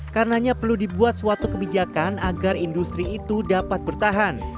karenanya perlu dibuat suatu kebijakan agar industri itu dapat bertahan